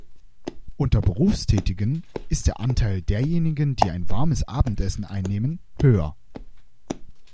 Unter Berufstätigen ist der Anteil derjenigen, die ein warmes Abendessen einnehmen, höher.